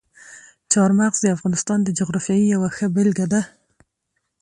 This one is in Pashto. چار مغز د افغانستان د جغرافیې یوه ښه بېلګه ده.